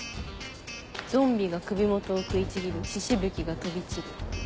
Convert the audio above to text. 「ゾンビが首元を食いちぎる」「血しぶきが飛び散る」みたいな。